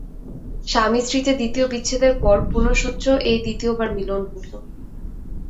স্বামিস্ত্রীতে দ্বিতীয় বিচ্ছেদের পর পুনশ্চ এই দ্বিতীয়বার মিলন হইল।